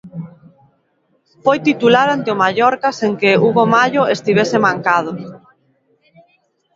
Foi titular ante o Mallorca sen que Hugo Mallo estivese mancado.